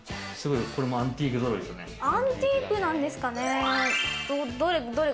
アンティークなんですかね？